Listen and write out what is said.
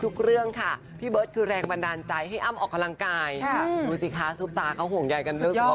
คือหมอช้างหมอช้างส่งมาให้